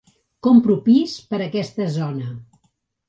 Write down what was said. Compro pis per aquesta zona.